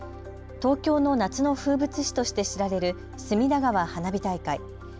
東京の夏の風物詩として知られる隅田川花火大会。